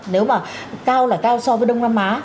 nếu mà cao là cao so với đông nam á